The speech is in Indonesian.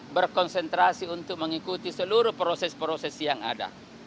berkonsentrasi untuk mengikuti seluruh proses proses yang ada